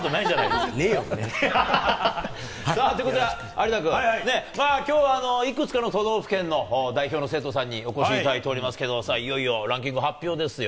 そういうことで、有田君、きょうはいくつかの都道府県の代表の生徒さんにお越しいただいておりますけど、さあ、いよいよランキング発表ですよ。